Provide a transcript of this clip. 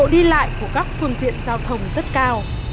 mật độ đi lại của các phương tiện giao thông rất cao